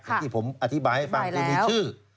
อย่างที่ผมอธิบายให้ฟังคือมีชื่อ